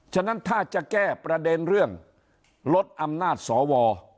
ฉะนั้นถ้าจะแก้ประเด็นเรื่องลดอำนาจสว